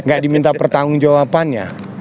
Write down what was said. gak diminta pertanggung jawabannya